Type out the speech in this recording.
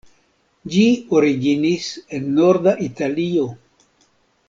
Ĝi originis en norda Italio.